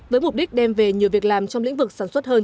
với mục đích đem về nhiều việc làm trong lĩnh vực sản xuất hơn